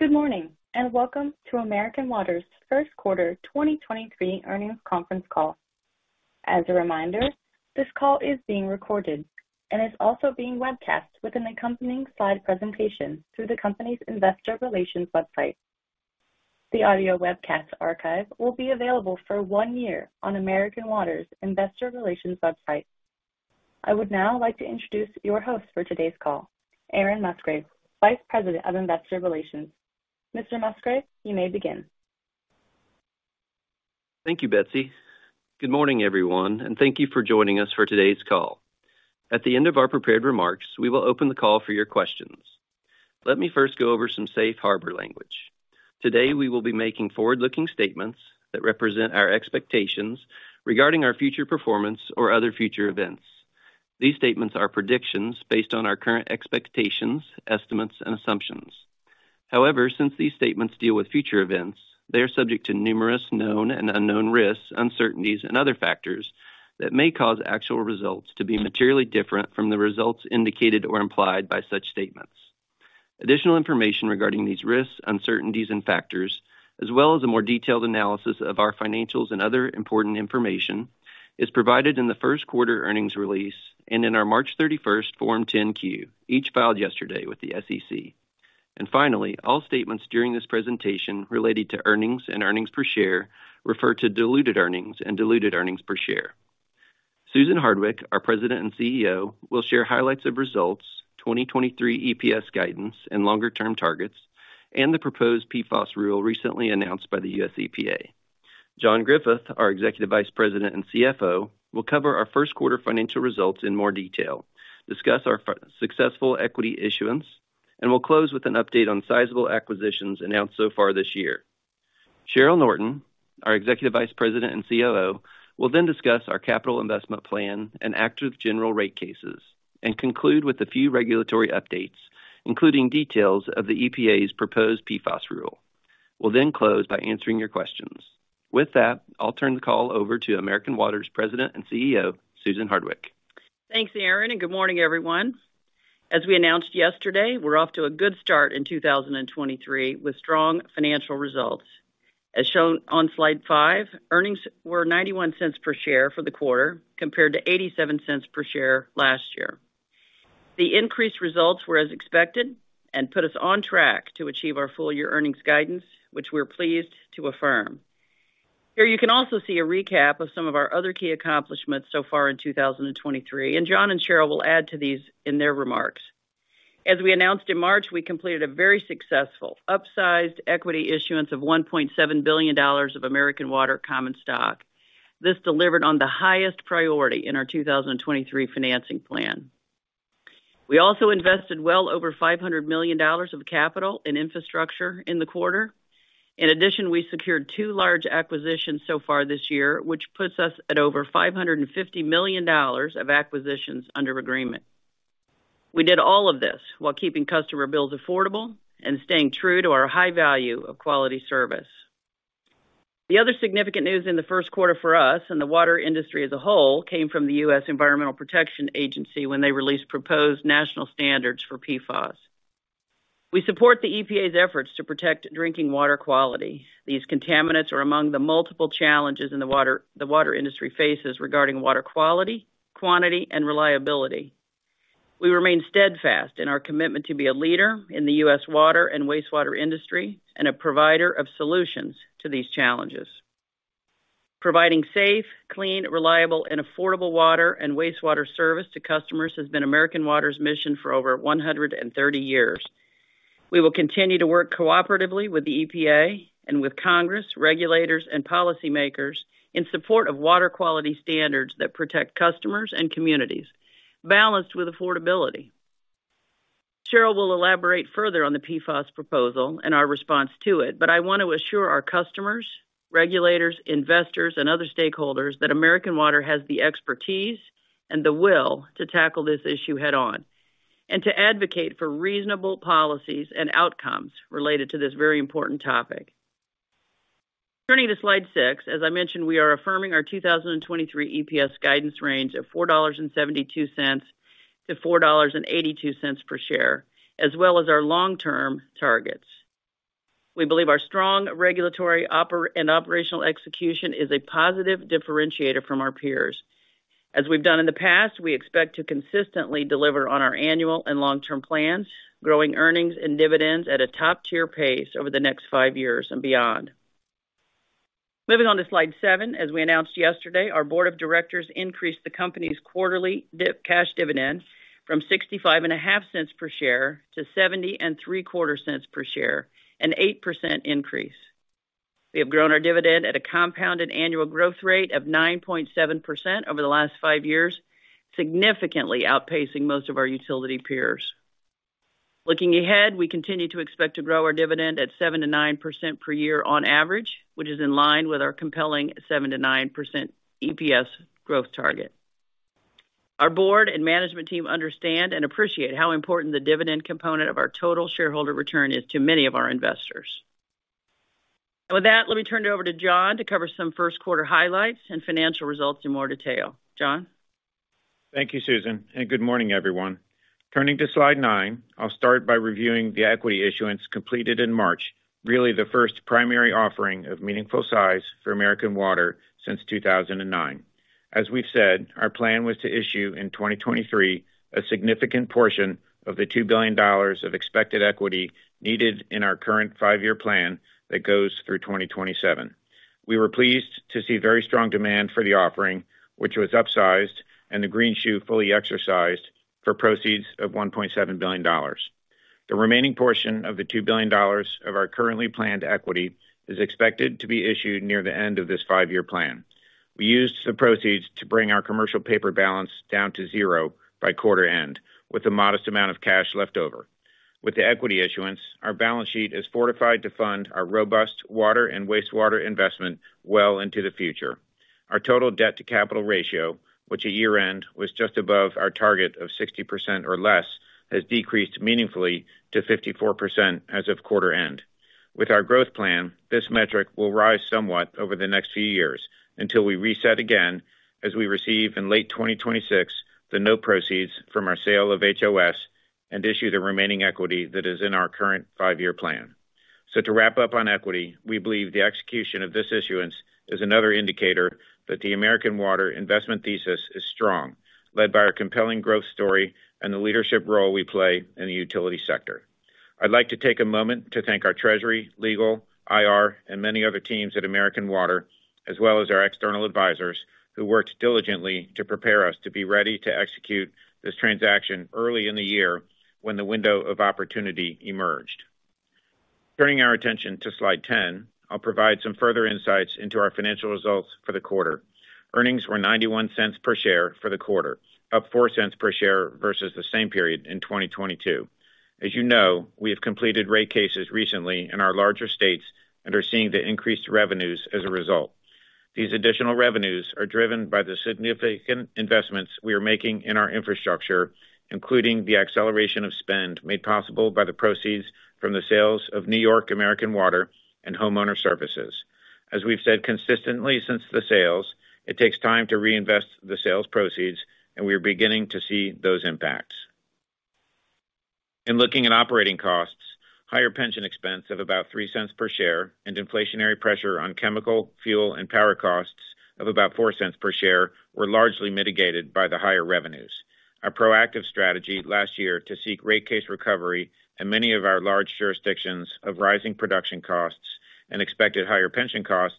Good morning, welcome to American Water's first quarter 2023 earnings conference call. As a reminder, this call is being recorded and is also being webcast with an accompanying slide presentation through the company's investor relations website. The audio webcast archive will be available for one year on American Water's investor relations website. I would now like to introduce your host for today's call, Aaron Musgrave, Vice President of Investor Relations. Mr. Musgrave, you may begin. Thank you, Betsy. Good morning, everyone. Thank you for joining us for today's call. At the end of our prepared remarks, we will open the call for your questions. Let me first go over some safe harbor language. Today we will be making forward-looking statements that represent our expectations regarding our future performance or other future events. These statements are predictions based on our current expectations, estimates, and assumptions. Since these statements deal with future events, they are subject to numerous known and unknown risks, uncertainties, and other factors that may cause actual results to be materially different from the results indicated or implied by such statements. Additional information regarding these risks, uncertainties and factors, as well as a more detailed analysis of our financials and other important information is provided in the first quarter earnings release and in our March 31st Form 10-Q, each filed yesterday with the SEC. Finally, all statements during this presentation related to earnings and earnings per share refer to diluted earnings and diluted earnings per share. Susan Hardwick, our President and CEO, will share highlights of results 2023 EPS guidance and longer-term targets and the proposed PFOS rule recently announced by the U.S. EPA. John Griffith, our Executive Vice President and CFO, will cover our first quarter financial results in more detail, discuss our successful equity issuance, We'll close with an update on sizable acquisitions announced so far this year. Cheryl Norton, our Executive Vice President and COO, will then discuss our capital investment plan and active general rate cases and conclude with a few regulatory updates, including details of the EPA's proposed PFAS rule. We'll then close by answering your questions. With that, I'll turn the call over to American Water's President and CEO, Susan Hardwick. Thanks, Aaron, good morning, everyone. As we announced yesterday, we're off to a good start in 2023 with strong financial results. As shown on slide five, earnings were $0.91 per share for the quarter compared to $0.87 per share last year. The increased results were as expected and put us on track to achieve our full-year earnings guidance, which we're pleased to affirm. Here you can also see a recap of some of our other key accomplishments so far in 2023, John and Cheryl will add to these in their remarks. As we announced in March, we completed a very successful upsized equity issuance of $1.7 billion of American Water common stock. This delivered on the highest priority in our 2023 financing plan. We also invested well over $500 million of capital in infrastructure in the quarter. In addition, we secured two large acquisitions so far this year, which puts us at over $550 million of acquisitions under agreement. We did all of this while keeping customer bills affordable and staying true to our high value of quality service. The other significant news in the first quarter for us and the water industry as a whole came from the U.S. Environmental Protection Agency when they released proposed national standards for PFAS. We support the EPA's efforts to protect drinking water quality. These contaminants are among the multiple challenges in the water industry faces regarding water quality, quantity, and reliability. We remain steadfast in our commitment to be a leader in the U.S. water and wastewater industry and a provider of solutions to these challenges. Providing safe, clean, reliable, and affordable water and wastewater service to customers has been American Water's mission for over 130 years. We will continue to work cooperatively with the EPA and with Congress, regulators, and policymakers in support of water quality standards that protect customers and communities, balanced with affordability. Cheryl will elaborate further on the PFAS proposal and our response to it, but I want to assure our customers, regulators, investors, and other stakeholders that American Water has the expertise and the will to tackle this issue head on and to advocate for reasonable policies and outcomes related to this very important topic. Turning to slide six. As I mentioned, we are affirming our 2023 EPS guidance range of $4.72-$4.82 per share, as well as our long-term targets. We believe our strong regulatory and operational execution is a positive differentiator from our peers. As we've done in the past, we expect to consistently deliver on our annual and long-term plans, growing earnings and dividends at a top-tier pace over the next five years and beyond. Moving on to slide seven. As we announced yesterday, our board of directors increased the company's quarterly cash dividend from $0.655 per share to $0.7075 quarter per share, an 8% increase. We have grown our dividend at a compounded annual growth rate of 9.7% over the last five years, significantly outpacing most of our utility peers. Looking ahead, we continue to expect to grow our dividend at 7%-9% per year on average, which is in line with our compelling 7%-9% EPS growth target. Our board and management team understand and appreciate how important the dividend component of our total shareholder return is to many of our investors. With that, let me turn it over to John to cover some first quarter highlights and financial results in more detail. John? Thank you, Susan. Good morning, everyone. Turning to slide nine, I'll start by reviewing the equity issuance completed in March, really the first primary offering of meaningful size for American Water since 2009. As we've said, our plan was to issue in 2023 a significant portion of the $2 billion of expected equity needed in our current five-year plan that goes through 2027. We were pleased to see very strong demand for the offering, which was upsized, and the greenshoe fully exercised for proceeds of $1.7 billion. The remaining portion of the $2 billion of our currently planned equity is expected to be issued near the end of this five-year plan. We used some proceeds to bring our commercial paper balance down to 0 by quarter end with a modest amount of cash left over. With the equity issuance, our balance sheet is fortified to fund our robust water and wastewater investment well into the future. Our total debt to capital ratio, which at year-end was just above our target of 60% or less, has decreased meaningfully to 54% as of quarter end. With our growth plan, this metric will rise somewhat over the next few years until we reset again, as we receive in late 2026 the note proceeds from our sale of HOS and issue the remaining equity that is in our current five-year plan. To wrap up on equity, we believe the execution of this issuance is another indicator that the American Water investment thesis is strong, led by our compelling growth story and the leadership role we play in the utility sector. I'd like to take a moment to thank our treasury, legal, IR, and many other teams at American Water, as well as our external advisors who worked diligently to prepare us to be ready to execute this transaction early in the year when the window of opportunity emerged. Turning our attention to slide 10, I'll provide some further insights into our financial results for the quarter. Earnings were $0.91 per share for the quarter, up $0.04 per share versus the same period in 2022. As you know, we have completed rate cases recently in our larger states and are seeing the increased revenues as a result. These additional revenues are driven by the significant investments we are making in our infrastructure, including the acceleration of spend made possible by the proceeds from the sales of New York American Water and Homeowner Services. As we've said consistently since the sales, it takes time to reinvest the sales proceeds. We are beginning to see those impacts. In looking at operating costs, higher pension expense of about $0.03 per share and inflationary pressure on chemical, fuel, and power costs of about $0.04 per share were largely mitigated by the higher revenues. Our proactive strategy last year to seek rate case recovery in many of our large jurisdictions of rising production costs and expected higher pension costs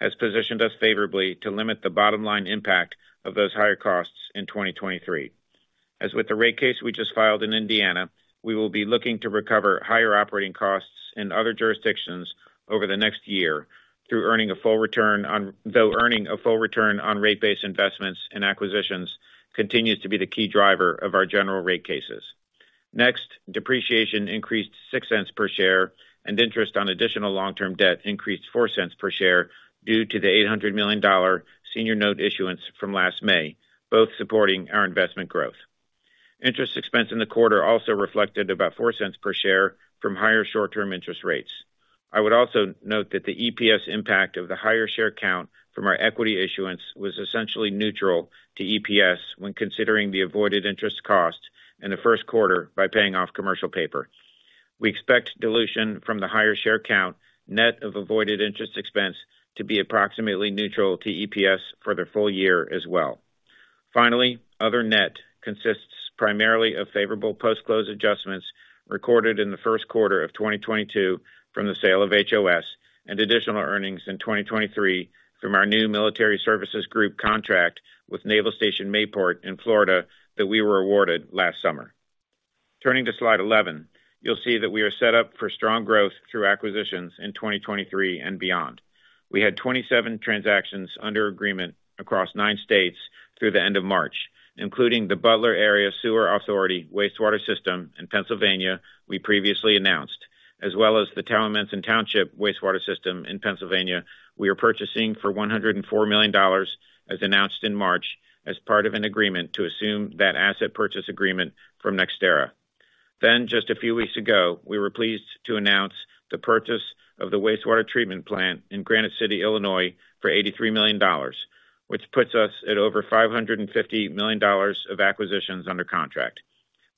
has positioned us favorably to limit the bottom line impact of those higher costs in 2023. As with the rate case we just filed in Indiana, we will be looking to recover higher operating costs in other jurisdictions over the next year though earning a full return on rate-based investments and acquisitions continues to be the key driver of our general rate cases. Depreciation increased $0.06 per share and interest on additional long-term debt increased $0.04 per share due to the $800 million senior note issuance from last May, both supporting our investment growth. Interest expense in the quarter also reflected about $0.04 per share from higher short-term interest rates. I would also note that the EPS impact of the higher share count from our equity issuance was essentially neutral to EPS when considering the avoided interest cost in the first quarter by paying off commercial paper. We expect dilution from the higher share count net of avoided interest expense to be approximately neutral to EPS for the full year as well. Other net consists primarily of favorable post-close adjustments recorded in the first quarter of 2022 from the sale of HOS and additional earnings in 2023 from our new Military Services Group contract with Naval Station Mayport in Florida that we were awarded last summer. Turning to slide 11, you'll see that we are set up for strong growth through acquisitions in 2023 and beyond. We had 27 transactions under agreement across nine states through the end of March, including the Butler Area Sewer Authority wastewater system in Pennsylvania we previously announced, as well as the Towamencin Township wastewater system in Pennsylvania we are purchasing for $104 million, as announced in March, as part of an agreement to assume that asset purchase agreement from NextEra. Just a few weeks ago, we were pleased to announce the purchase of the wastewater treatment plant in Granite City, Illinois, for $83 million, which puts us at over $550 million of acquisitions under contract.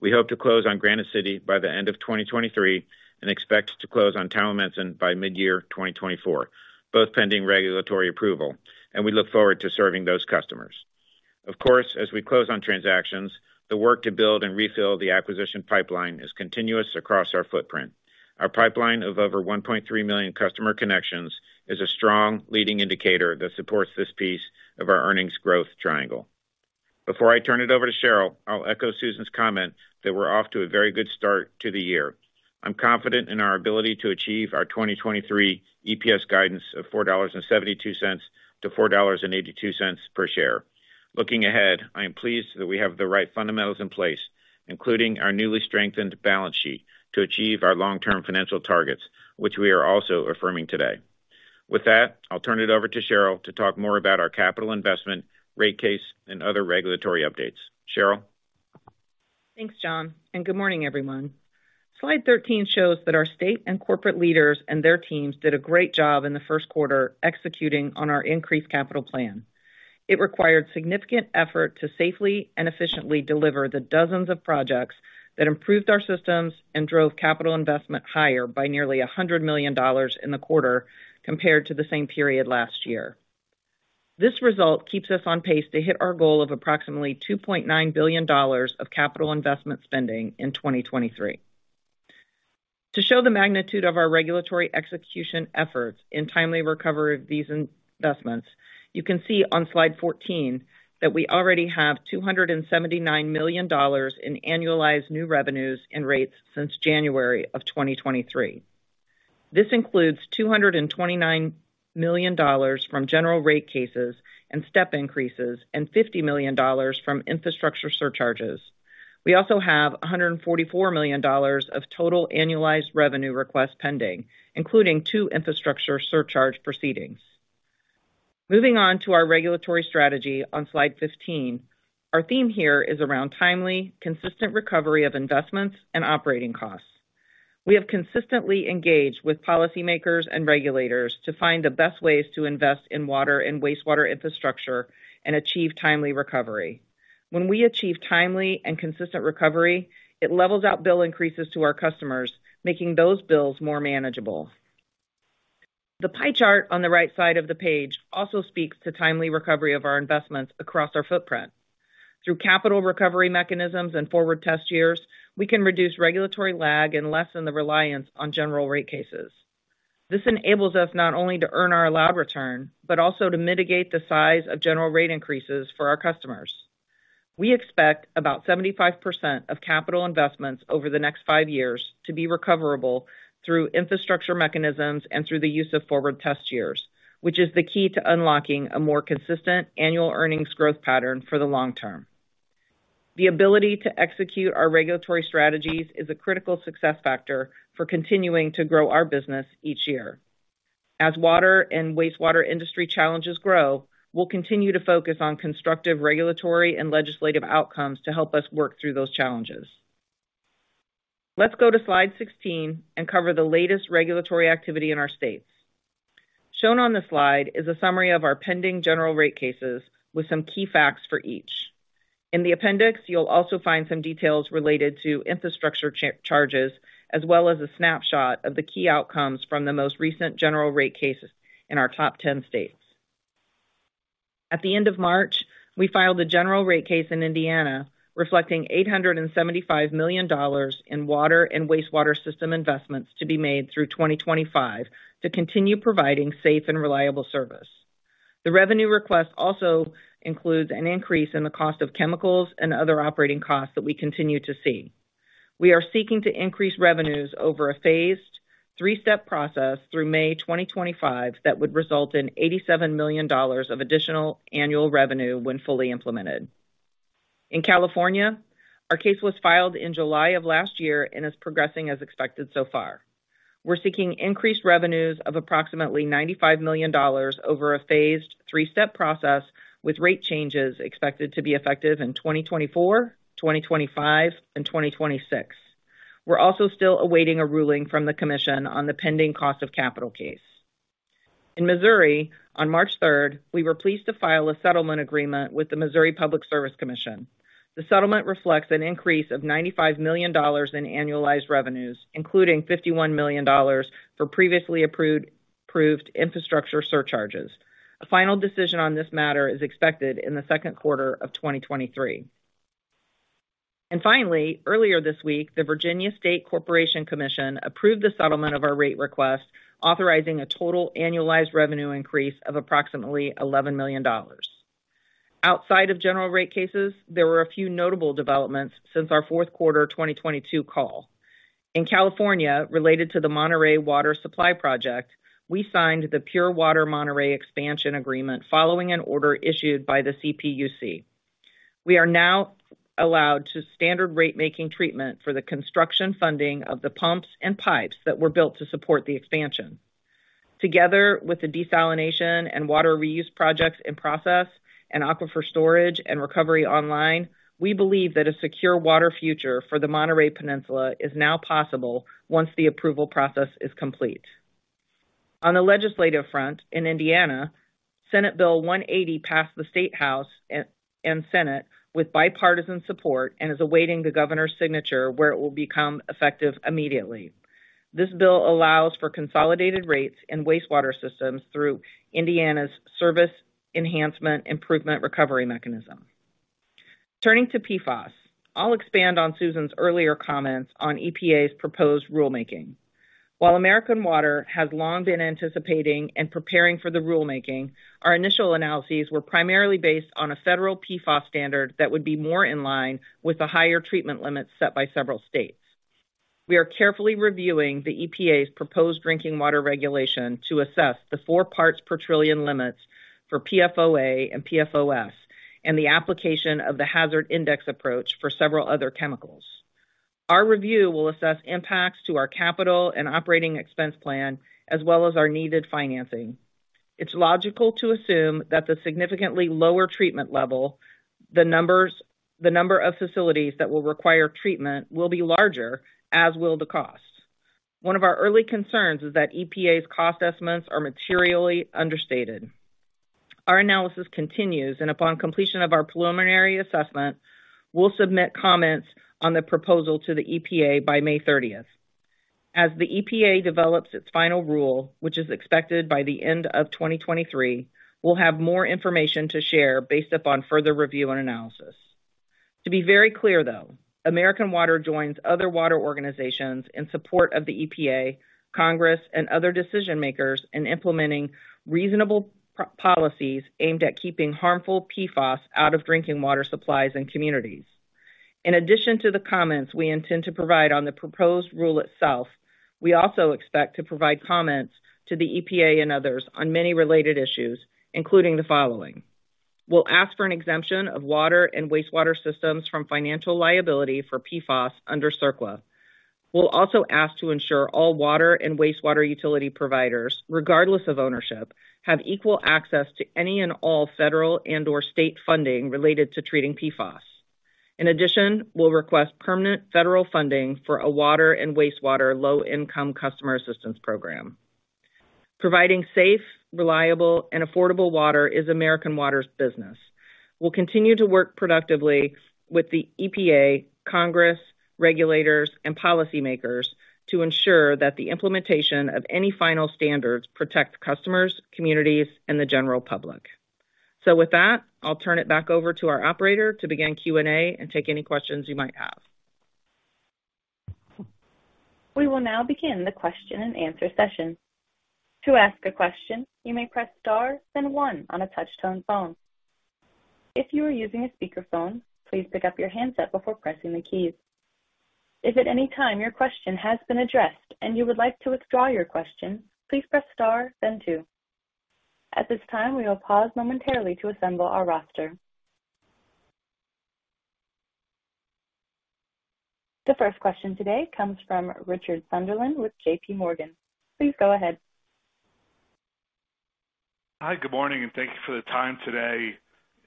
We hope to close on Granite City by the end of 2023 and expect to close on Towamencin by mid-year 2024, both pending regulatory approval. We look forward to serving those customers. Of course, as we close on transactions, the work to build and refill the acquisition pipeline is continuous across our footprint. Our pipeline of over 1.3 million customer connections is a strong leading indicator that supports this piece of our earnings growth triangle. Before I turn it over to Cheryl, I'll echo Susan's comment that we're off to a very good start to the year. I'm confident in our ability to achieve our 2023 EPS guidance of $4.72-$4.82 per share. Looking ahead, I am pleased that we have the right fundamentals in place, including our newly strengthened balance sheet, to achieve our long-term financial targets, which we are also affirming today. With that, I'll turn it over to Cheryl to talk more about our capital investment rate case and other regulatory updates. Cheryl? Thanks, John. Good morning, everyone. Slide 13 shows that our state and corporate leaders and their teams did a great job in the first quarter executing on our increased capital plan. It required significant effort to safely and efficiently deliver the dozens of projects that improved our systems and drove capital investment higher by nearly $100 million in the quarter compared to the same period last year. This result keeps us on pace to hit our goal of approximately $2.9 billion of capital investment spending in 2023. To show the magnitude of our regulatory execution efforts in timely recovery of these investments, you can see on slide 14 that we already have $279 million in annualized new revenues and rates since January of 2023. This includes $229 million from general rate cases and step increases, and $50 million from infrastructure surcharges. We also have $144 million of total annualized revenue requests pending, including two infrastructure surcharge proceedings. Moving on to our regulatory strategy on slide 15. Our theme here is around timely, consistent recovery of investments and operating costs. We have consistently engaged with policymakers and regulators to find the best ways to invest in water and wastewater infrastructure and achieve timely recovery. When we achieve timely and consistent recovery, it levels out bill increases to our customers, making those bills more manageable. The pie chart on the right side of the page also speaks to timely recovery of our investments across our footprint. Through capital recovery mechanisms and forward test years, we can reduce regulatory lag and lessen the reliance on general rate cases. This enables us not only to earn our allowed return, but also to mitigate the size of general rate increases for our customers. We expect about 75% of capital investments over the next five years to be recoverable through infrastructure mechanisms and through the use of forward test years, which is the key to unlocking a more consistent annual earnings growth pattern for the long term. The ability to execute our regulatory strategies is a critical success factor for continuing to grow our business each year. As water and wastewater industry challenges grow, we'll continue to focus on constructive regulatory and legislative outcomes to help us work through those challenges. Let's go to slide 16 and cover the latest regulatory activity in our states. Shown on the slide is a summary of our pending general rate cases with some key facts for each. In the appendix, you'll also find some details related to infrastructure charges, as well as a snapshot of the key outcomes from the most recent general rate cases in our top 10 states. At the end of March, we filed a general rate case in Indiana reflecting $875 million in water and wastewater system investments to be made through 2025 to continue providing safe and reliable service. The revenue request also includes an increase in the cost of chemicals and other operating costs that we continue to see. We are seeking to increase revenues over a phased three-step process through May 2025 that would result in $87 million of additional annual revenue when fully implemented. In California, our case was filed in July of last year and is progressing as expected so far. We're seeking increased revenues of approximately $95 million over a phased three-step process with rate changes expected to be effective in 2024, 2025, and 2026. We're also still awaiting a ruling from the Commission on the pending cost of capital case. In Missouri, on March 3rd, we were pleased to file a settlement agreement with the Missouri Public Service Commission. The settlement reflects an increase of $95 million in annualized revenues, including $51 million for previously approved infrastructure surcharges. A final decision on this matter is expected in the second quarter of 2023. Finally, earlier this week, the Virginia State Corporation Commission approved the settlement of our rate request, authorizing a total annualized revenue increase of approximately $11 million. Outside of general rate cases, there were a few notable developments since our fourth quarter 2022 call. In California, related to the Monterey Water Supply Project, we signed the Pure Water Monterey Expansion Agreement following an order issued by the CPUC. We are now allowed to standard ratemaking treatment for the construction funding of the pumps and pipes that were built to support the expansion. Together with the desalination and water reuse projects in process and aquifer storage and recovery online, we believe that a secure water future for the Monterey Peninsula is now possible once the approval process is complete. On the legislative front in Indiana, Senate Bill 180 passed the State House and Senate with bipartisan support and is awaiting the governor's signature where it will become effective immediately. This bill allows for consolidated rates and wastewater systems through Indiana's Service Enhancement Improvement Rider. Turning to PFAS, I'll expand on Susan's earlier comments on EPA's proposed rulemaking. While American Water has long been anticipating and preparing for the rulemaking, our initial analyses were primarily based on a federal PFAS standard that would be more in line with the higher treatment limits set by several states. We are carefully reviewing the EPA's proposed drinking water regulation to assess the four parts per trillion limits for PFOA and PFOS and the application of the Hazard Index approach for several other chemicals. Our review will assess impacts to our capital and operating expense plan as well as our needed financing. It's logical to assume that the significantly lower treatment level, the number of facilities that will require treatment will be larger, as will the costs. One of our early concerns is that EPA's cost estimates are materially understated. Our analysis continues. Upon completion of our preliminary assessment, we'll submit comments on the proposal to the EPA by May thirtieth. As the EPA develops its final rule, which is expected by the end of 2023, we'll have more information to share based upon further review and analysis. To be very clear, though, American Water joins other water organizations in support of the EPA, Congress, and other decision-makers in implementing reasonable policies aimed at keeping harmful PFAS out of drinking water supplies and communities. In addition to the comments we intend to provide on the proposed rule itself, we also expect to provide comments to the EPA and others on many related issues, including the following. We'll ask for an exemption of water and wastewater systems from financial liability for PFAS under CERCL. We'll also ask to ensure all water and wastewater utility providers, regardless of ownership, have equal access to any and all federal and/or state funding related to treating PFAS. In addition, we'll request permanent federal funding for a water and wastewater low-income customer assistance program. Providing safe, reliable, and affordable water is American Water's business. We'll continue to work productively with the EPA, Congress, regulators, and policymakers to ensure that the implementation of any final standards protect customers, communities, and the general public. With that, I'll turn it back over to our operator to begin Q&A and take any questions you might have. We will now begin the question-and-answer session. To ask a question, you may press star then 1 on a touch-tone phone. If you are using a speakerphone, please pick up your handset before pressing the keys. If at any time your question has been addressed and you would like to withdraw your question, please press star then two. At this time, we will pause momentarily to assemble our roster. The first question today comes from Richard Sunderland with JPMorgan. Please go ahead. Hi, good morning. Thank you for the time today.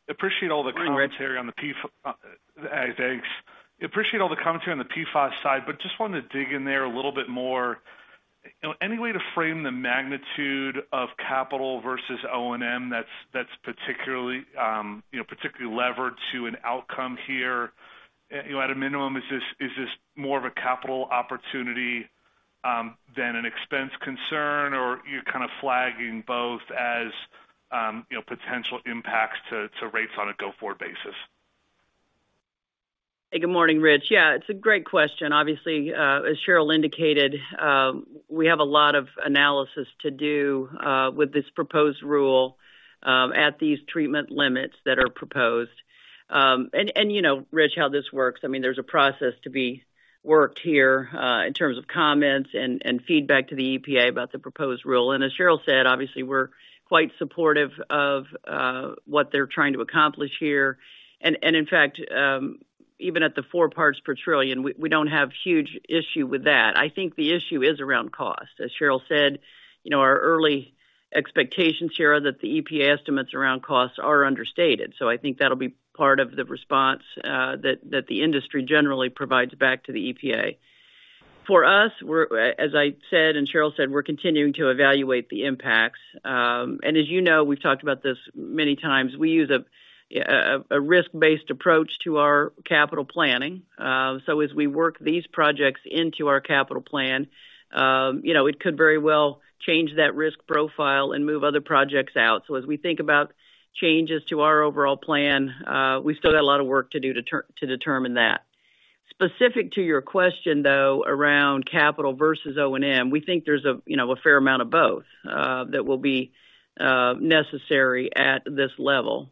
Appreciate all the commentary on the PFAS side, but just wanted to dig in there a little bit more. Any way to frame the magnitude of capital versus O&M that's particularly, you know, particularly levered to an outcome here? You know, at a minimum, is this more of a capital opportunity than an expense concern or you're kind of flagging both as, you know, potential impacts to rates on a go-forward basis? Good morning, Rich. Yeah, it's a great question. Obviously, as Cheryl indicated, we have a lot of analysis to do with this proposed rule, at these treatment limits that are proposed. You know, Rich, how this works, I mean, there's a process to be worked here in terms of comments and feedback to the EPA about the proposed rule. As Cheryl said, obviously we're quite supportive of what they're trying to accomplish here. In fact, even at the four parts per trillion, we don't have huge issue with that. I think the issue is around cost. As Cheryl said, you know, our early expectations here are that the EPA estimates around costs are understated. I think that'll be part of the response that the industry generally provides back to the EPA. For us, we're, as I said and Cheryl said, we're continuing to evaluate the impacts. As you know, we've talked about this many times, we use a risk-based approach to our capital planning. As we work these projects into our capital plan, you know, it could very well change that risk profile and move other projects out. As we think about changes to our overall plan, we've still got a lot of work to do to determine that. Specific to your question, though, around capital versus O&M, we think there's a, you know, a fair amount of both that will be necessary at this level.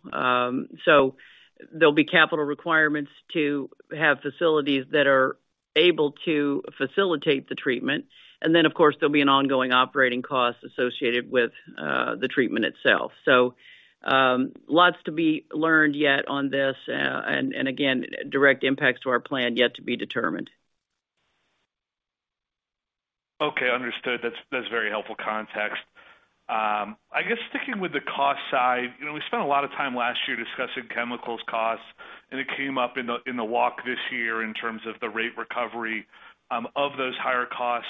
There'll be capital requirements to have facilities that are able to facilitate the treatment. Of course, there'll be an ongoing operating cost associated with the treatment itself. lots to be learned yet on this, and again, direct impacts to our plan yet to be determined. Okay, understood. That's very helpful context. I guess sticking with the cost side, you know, we spent a lot of time last year discussing chemicals costs, and it came up in the, in the walk this year in terms of the rate recovery of those higher costs.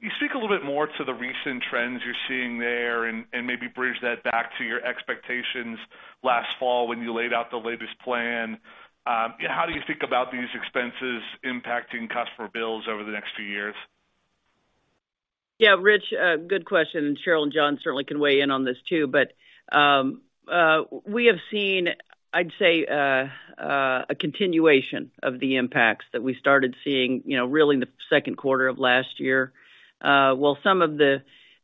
Can you speak a little bit more to the recent trends you're seeing there and maybe bridge that back to your expectations last fall when you laid out the latest plan? How do you think about these expenses impacting customer bills over the next few years? Yeah, Richard, good question, and Cheryl and John certainly can weigh in on this too. We have seen, I'd say, a continuation of the impacts that we started seeing, you know, really in the second quarter of last year. While some of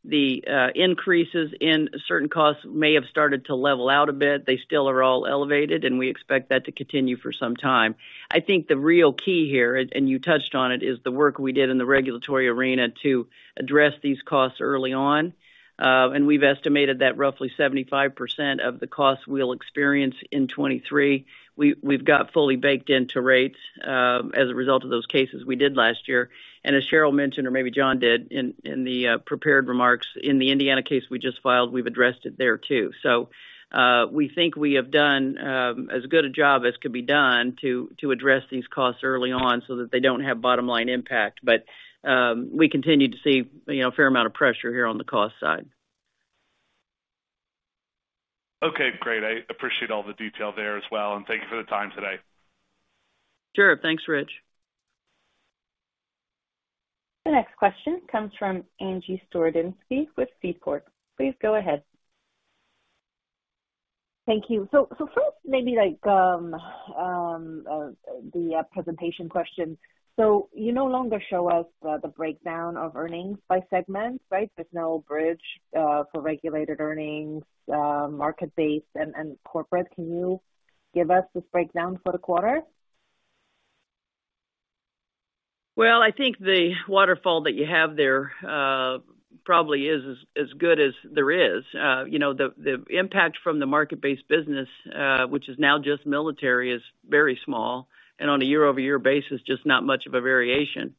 the increases in certain costs may have started to level out a bit, they still are all elevated, and we expect that to continue for some time. I think the real key here, and you touched on it, is the work we did in the regulatory arena to address these costs early on. And we've estimated that roughly 75% of the costs we'll experience in 23, we've got fully baked into rates as a result of those cases we did last year. As Cheryl mentioned, or maybe John did in the prepared remarks, in the Indiana case we just filed, we've addressed it there too. We think we have done as good a job as could be done to address these costs early on so that they don't have bottom line impact. We continue to see, you know, a fair amount of pressure here on the cost side. Okay, great. I appreciate all the detail there as well. Thank you for the time today. Sure. Thanks, Rich. The next question comes from Angie Storozynski with Seaport. Please go ahead. Thank you. First maybe like, the presentation question. You no longer show us the breakdown of earnings by segment, right? There's no bridge, for regulated earnings, market base and corporate. Can you give us this breakdown for the quarter? Well, I think the waterfall that you have there, probably is as good as there is. You know, the impact from the market-based business, which is now just military, is very small, and on a year-over-year basis, just not much of a variation.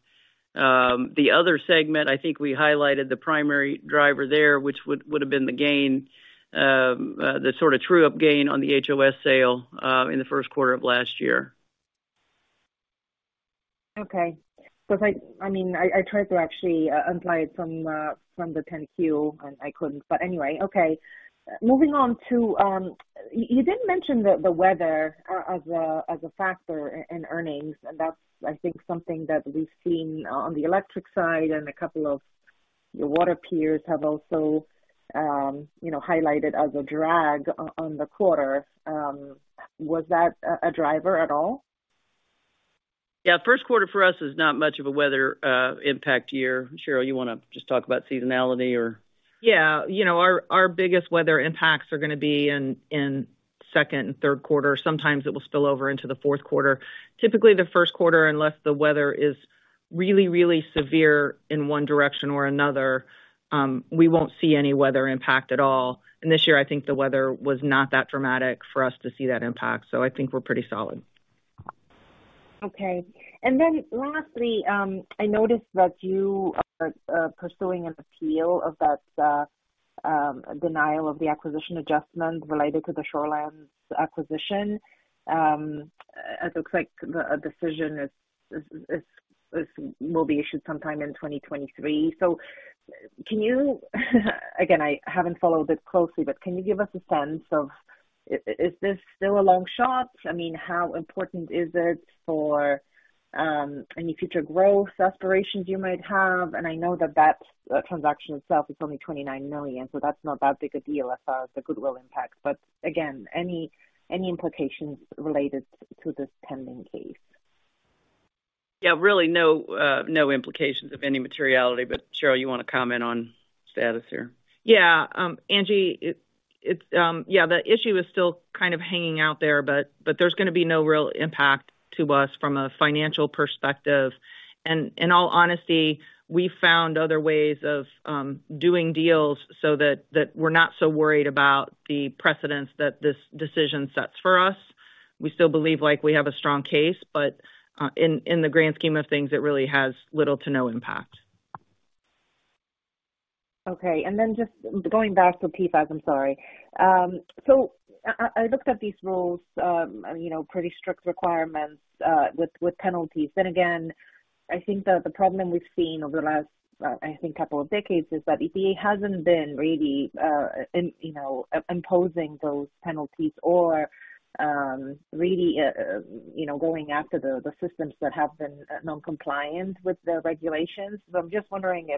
The other segment, I think we highlighted the primary driver there, which would have been the gain, the sort of true up gain on the HOS sale, in the first quarter of last year. If I mean, I tried to actually apply it from the 10-Q, and I couldn't, anyway. Moving on to, you did mention the weather as a factor in earnings, and that's, I think, something that we've seen on the electric side and a couple of your water peers have also, you know, highlighted as a drag on the quarter. Was that a driver at all? Yeah, first quarter for us is not much of a weather, impact year. Cheryl, you wanna just talk about seasonality or? Yeah. You know, our biggest weather impacts are gonna be in second and third quarter. Sometimes it will spill over into the fourth quarter. Typically, the first quarter, unless the weather is really, really severe in one direction or another, we won't see any weather impact at all. This year, I think the weather was not that dramatic for us to see that impact, I think we're pretty solid. Okay. Lastly, I noticed that you are pursuing an appeal of that denial of the acquisition adjustment related to the Shorelands acquisition. It looks like a decision will be issued sometime in 2023. Can you... Again, I haven't followed it closely, but can you give us a sense of is this still a long shot? I mean, how important is it for any future growth aspirations you might have? I know that that transaction itself is only $29 million, so that's not that big a deal as far as the goodwill impact. Again, any implications related to this pending case? Yeah. Really no no implications of any materiality. Cheryl, you wanna comment on status here? Yeah. Angie, it's. Yeah, the issue is still kind of hanging out there, but there's gonna be no real impact to us from a financial perspective. In all honesty, we found other ways of doing deals so that we're not so worried about the precedents that this decision sets for us. We still believe like we have a strong case, but in the grand scheme of things, it really has little to no impact. Okay. Just going back to PFAS, I'm sorry. I looked at these rules, you know, pretty strict requirements, with penalties. I think that the problem we've seen over the last, I think couple of decades is that EPA hasn't been really, in, you know, imposing those penalties or, really, you know, going after the systems that have been noncompliant with the regulations. I'm just wondering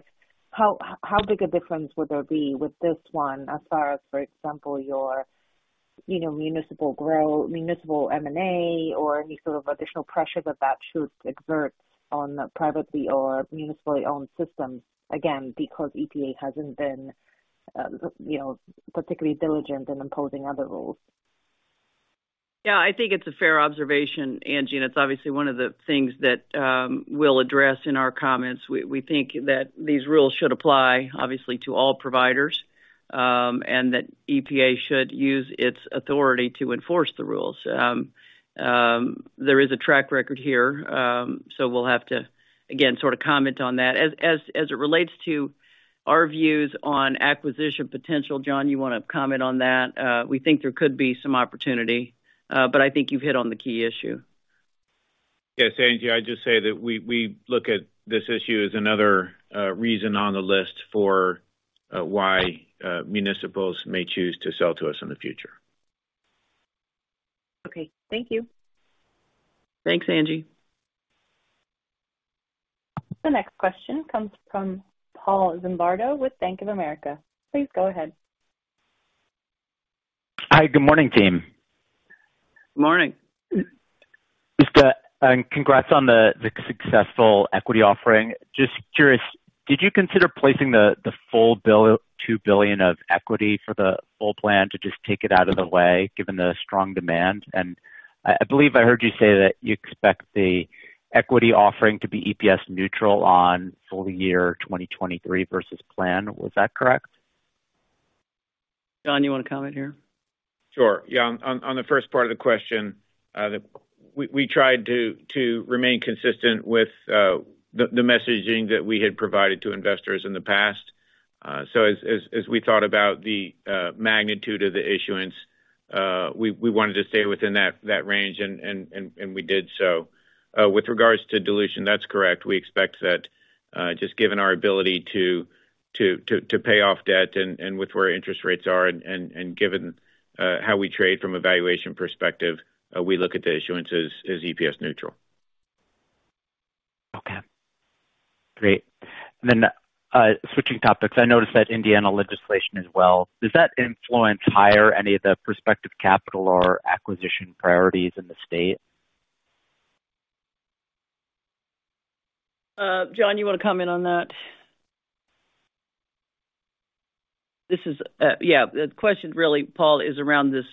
how big a difference would there be with this one as far as, for example, your, you know, municipal M&A or any sort of additional pressure that that should exert on privately or municipally owned systems? Again, because EPA hasn't been, you know, particularly diligent in imposing other rules. Yeah, I think it's a fair observation, Angie it's obviously one of the things that we'll address in our comments. We think that these rules should apply obviously to all providers, and that EPA should use its authority to enforce the rules. There is a track record here. We'll have to again sort of comment on that. As it relates to our views on acquisition potential, John, you wanna comment on that? We think there could be some opportunity, but I think you've hit on the key issue. Yes. Angie, I'd just say that we look at this issue as another reason on the list for why municipals may choose to sell to us in the future. Okay. Thank you. Thanks, Angie. The next question comes from Paul Zimbardo with Bank of America. Please go ahead. Hi. Good morning, team. Morning. Congrats on the successful equity offering. Just curious, did you consider placing the full $2 billion of equity for the full plan to just take it out of the way, given the strong demand? I believe I heard you say that you expect the equity offering to be EPS neutral on full year 2023 versus plan. Was that correct? John, you wanna comment here? Sure. Yeah. On the first part of the question, we tried to remain consistent with the messaging that we had provided to investors in the past. As we thought about the magnitude of the issuance, we wanted to stay within that range and we did so. With regards to dilution, that's correct. We expect that, just given our ability to pay off debt and with where interest rates are and given how we trade from a valuation perspective, we look at the issuance as EPS neutral. Okay. Great. Switching topics, I noticed that Indiana legislation as well, does that influence higher any of the prospective capital or acquisition priorities in the state? John, you wanna comment on that? This is, yeah, the question really, Paul, is around this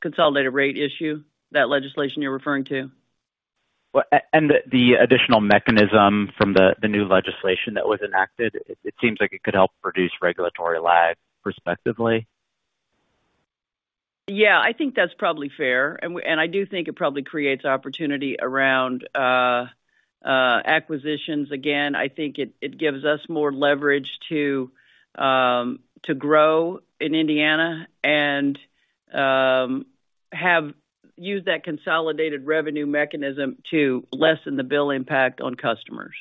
consolidated rate issue, that legislation you're referring to. Well, the additional mechanism from the new legislation that was enacted. It seems like it could help reduce regulatory lag perspectively. Yeah, I think that's probably fair, and I do think it probably creates opportunity around acquisitions. Again, I think it gives us more leverage to grow in Indiana and use that consolidated revenue mechanism to lessen the bill impact on customers.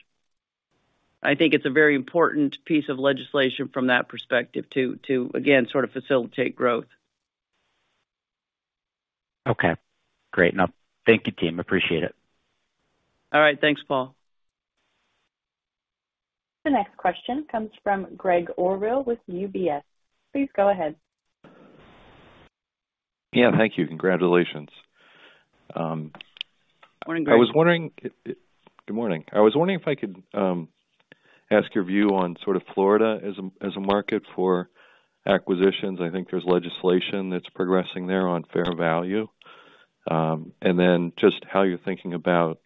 I think it's a very important piece of legislation from that perspective to again, sort of facilitate growth. Okay, great. Thank you, team. Appreciate it. All right. Thanks, Paul. The next question comes from Gregg Orrill with UBS. Please go ahead. Yeah, thank you. Congratulations. Morning, Greg. Good morning. I was wondering if I could ask your view on sort of Florida as a market for acquisitions. I think there's legislation that's progressing there on fair value. Then just how you're thinking about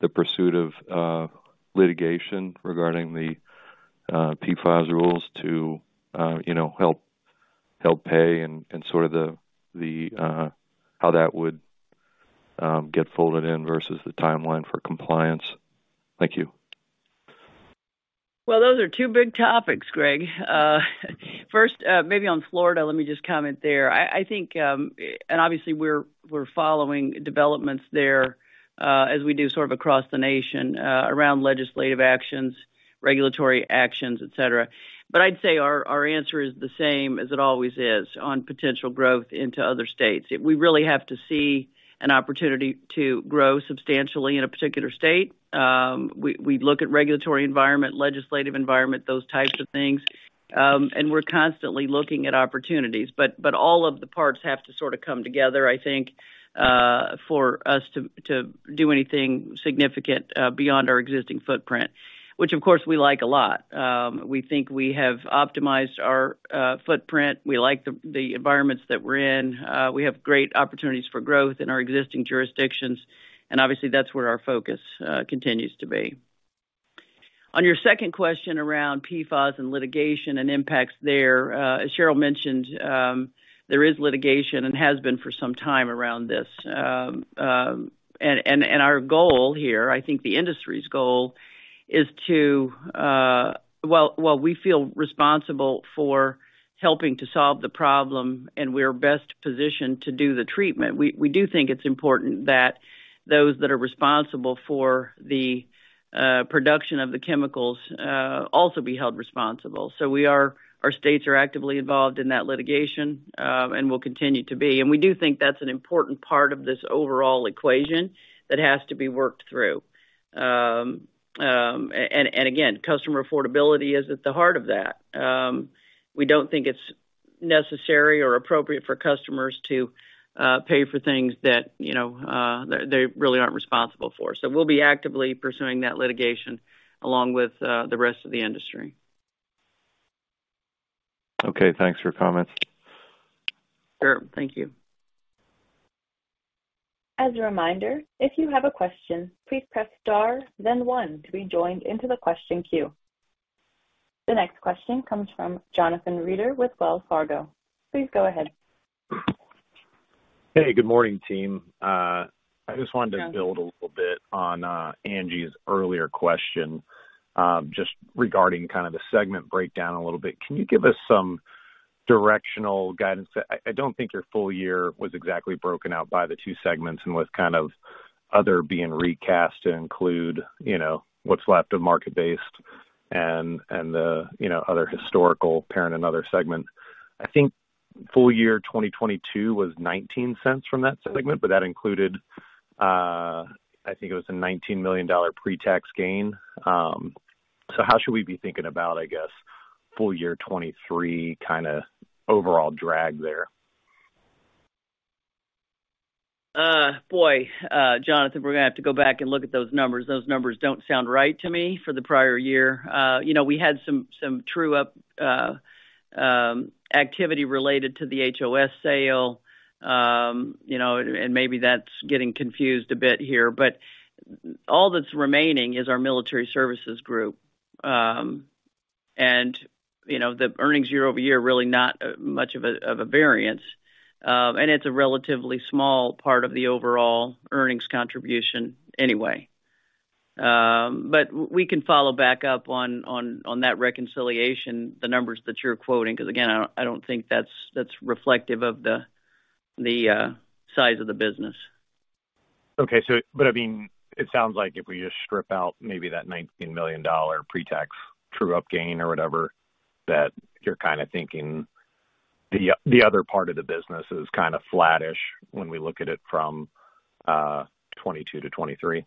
the pursuit of litigation regarding the PFAS rules to, you know, help pay and sort of the how that would get folded in versus the timeline for compliance. Thank you. Those are two big topics, Greg. First, maybe on Florida, let me just comment there. I think, obviously we're following developments there, as we do sort of across the nation, around legislative actions, regulatory actions, et cetera. I'd say our answer is the same as it always is on potential growth into other states. If we really have to see an opportunity to grow substantially in a particular state, we look at regulatory environment, legislative environment, those types of things. We're constantly looking at opportunities. All of the parts have to sort of come together, I think, for us to do anything significant beyond our existing footprint. Of course we like a lot. We think we have optimized our footprint. We like the environments that we're in. We have great opportunities for growth in our existing jurisdictions, obviously that's where our focus continues to be. On your second question around PFAS and litigation and impacts there, as Cheryl mentioned, there is litigation and has been for some time around this. Our goal here, I think the industry's goal is to, well, while we feel responsible for helping to solve the problem and we're best positioned to do the treatment, we do think it's important that those that are responsible for the production of the chemicals also be held responsible. Our states are actively involved in that litigation, will continue to be. We do think that's an important part of this overall equation that has to be worked through. Again, customer affordability is at the heart of that. We don't think it's necessary or appropriate for customers to pay for things that, you know, they really aren't responsible for. We'll be actively pursuing that litigation along with the rest of the industry. Okay. Thanks for your comments. Sure. Thank you. As a reminder, if you have a question, please press Star, then one to be joined into the question queue. The next question comes from Jonathan Reeder with Wells Fargo. Please go ahead. Hey, good morning, team. I just wanted to build a little bit on Angie's earlier question, just regarding kind of the segment breakdown a little bit. Can you give us some directional guidance? I don't think your full year was exactly broken out by the two segments and with kind of other being recast to include, you know, what's left of market based and the, you know, other historical parent and other segment. I think full year 2022 was $0.19 from that segment, but that included, I think it was a $19 million pre-tax gain. How should we be thinking about, I guess, full year 2023 kinda overall drag there? Boy, Jonathan, we're gonna have to go back and look at those numbers. Those numbers don't sound right to me for the prior year. You know, we had some true up activity related to the HOS sale, you know, and maybe that's getting confused a bit here, but all that's remaining is our Military Services Group. You know, the earnings year-over-year really not much of a variance. It's a relatively small part of the overall earnings contribution anyway. We can follow back up on that reconciliation, the numbers that you're quoting, 'cause again, I don't think that's reflective of the size of the business. I mean, it sounds like if we just strip out maybe that $19 million pre-tax true up gain or whatever, that you're kind of thinking the other part of the business is kind of flattish when we look at it from, 2022 to 2023.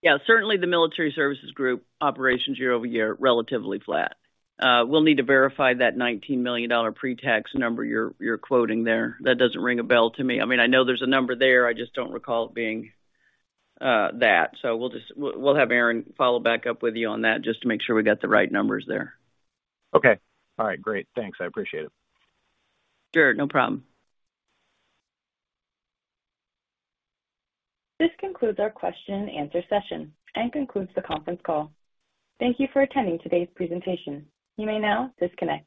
Yeah, certainly the Military Services Group operations year-over-year, relatively flat. We'll need to verify that $19 million pre-tax number you're quoting there. That doesn't ring a bell to me. I mean, I know there's a number there. I just don't recall it being that. We'll have Aaron follow back up with you on that just to make sure we got the right numbers there. Okay. All right. Great. Thanks. I appreciate it. Sure. No problem. This concludes our question and answer session and concludes the conference call. Thank you for attending today's presentation. You may now disconnect.